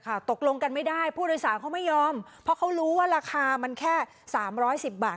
ตกลงกันไม่ได้ผู้โดยสารเขาไม่ยอมเพราะเขารู้ว่าราคามันแค่สามร้อยสิบบาท